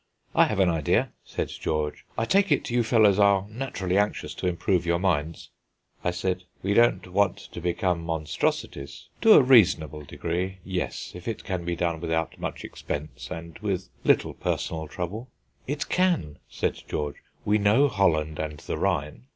"I have an idea," said George. "I take it you fellows are naturally anxious to improve your minds?" I said, "We don't want to become monstrosities. To a reasonable degree, yes, if it can be done without much expense and with little personal trouble." "It can," said George. "We know Holland and the Rhine.